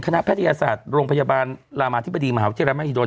แพทยศาสตร์โรงพยาบาลรามาธิบดีมหาวิทยาลัยมหิดล